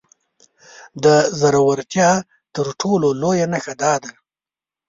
د زورورتيا تر ټولو لويه نښه دا ده.